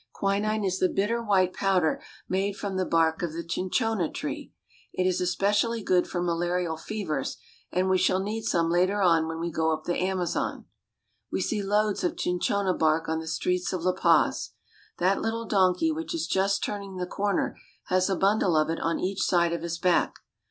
Quinine is the bitter white powder made from the bark of the cin chona tree. It is especially good for malarial fevers, and we shall need some later on when we go up the Amazon. ^., We see loads of cinchona bark on Cinchona ,^ t r^ rr., i. i the streets of La Paz. That little donkey which is just turning the corner has a bundle of it on each side of his back.